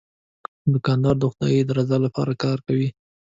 دوکاندار د خدای د رضا لپاره کار کوي.